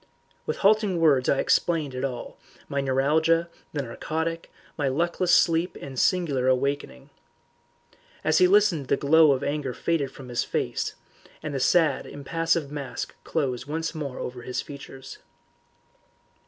With halting words I explained it all, my neuralgia, the narcotic, my luckless sleep and singular awakening. As he listened the glow of anger faded from his face, and the sad, impassive mask closed once more over his features.